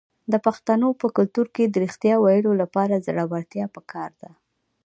د پښتنو په کلتور کې د ریښتیا ویلو لپاره زړورتیا پکار ده.